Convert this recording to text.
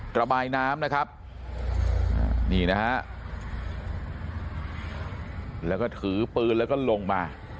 ระบายน้ำนะครับนี่นะฮะแล้วก็ถือปืนแล้วก็ลงมา